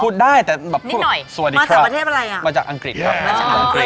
พูดได้แต่แบบพูดสวัสดีครับมาจากอังกฤษครับนิดหน่อยมาจากประเทศอะไรอ่ะ